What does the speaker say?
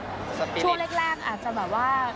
แต่ทำไปจนถึงสุดท้ายจนถึงสิ่งที่มันพีคสุดสำหรับตัวเขา